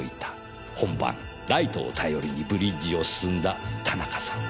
本番ライトを頼りにブリッジを進んだ田中さんは。